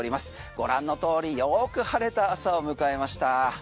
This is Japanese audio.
ご覧の通りよく晴れた朝を迎えました。